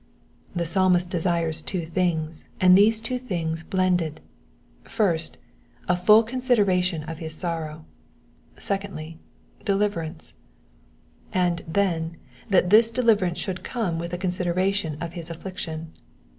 ^* The Psalmist desires two thiugs, and these two things blended: first, a full consideration of his sorrow; secondly, deliverance ; and, then, that this deliverance should come with a consideration of his affliction.